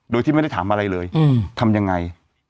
โดยที่ไม่ได้ถามอะไรเลยทำยังไง